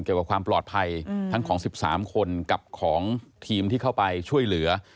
เกี่ยวกับความปลอดภัยทั้งของ๑๓คนกับของทีมที่เข้าไปช่วยเหลือ